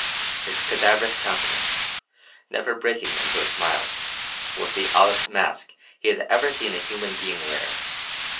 His cadaverous countenance, never breaking into a smile, was the oddest mask he had ever seen a human being wear.